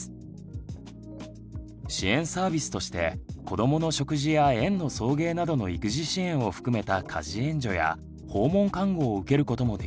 支援サービスとして子どもの食事や園の送迎などの育児支援を含めた家事援助や訪問看護を受けることもできます。